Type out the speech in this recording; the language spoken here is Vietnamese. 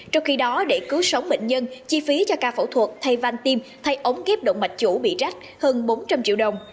trong khi đó để cứu sống bệnh nhân chi phí cho ca phẫu thuật thay van tim thay ống kép động mạch chủ bị rách hơn bốn trăm linh triệu đồng